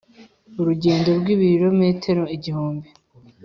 urugendo rw'ibirometero igihumbi